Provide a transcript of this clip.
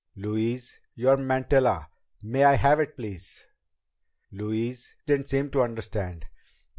"Louise! Your mantilla! May I have it please?" Louise didn't seem to understand.